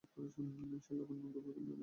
সে লাবণ্য দৈবাৎ কখনো দেখেছেন রসিকবাবু?